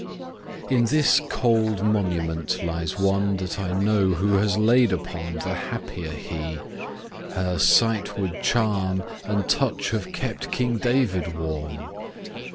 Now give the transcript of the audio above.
H In this cold Monument lies one, That I know who has lain upon, The happier He : her Sight would charm, And Touch have kept King David warm.